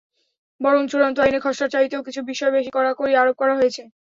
বরং চূড়ান্ত আইনে খসড়ার চাইতেও কিছু বিষয়ে বেশি কড়াকড়ি আরোপ করা হয়েছে।